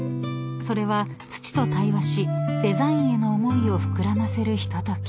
［それは土と対話しデザインへの思いを膨らませるひととき］